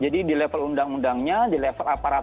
jadi di level undang undangnya di level aparatnya